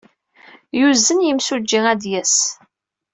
Yuzen i yimsujji ad d-yas.